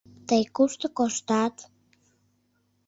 — Тый кушто коштат?